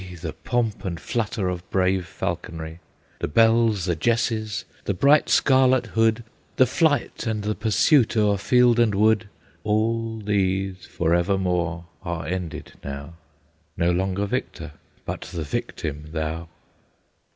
The pomp and flutter of brave falconry, The bells, the jesses, the bright scarlet hood, The flight and the pursuit o'er field and wood, All these forevermore are ended now; No longer victor, but the victim thou!